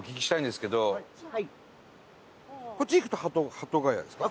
こっち行くと鳩谷ですか？